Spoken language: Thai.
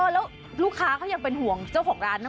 แล้วลูกค้าเขายังเป็นห่วงเจ้าของร้านนะ